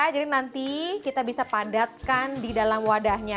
jadi nanti kita bisa padatkan di dalam wadahnya